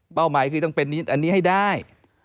หมายคือต้องเป็นอันนี้ให้ได้